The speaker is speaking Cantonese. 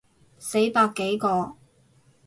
死百幾個